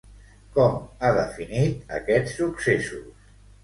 Com ha definit aquests successos?